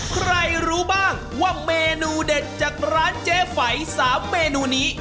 ใครรู้บ้างว่าเมนูเด็ดจากร้านเจ๊ไฝ๓เมนูนี้